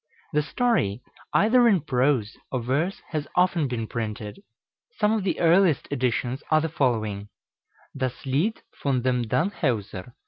The story, either in prose or verse, has often been printed. Some of the earliest editions are the following: "Das Lied von dem Danhewser."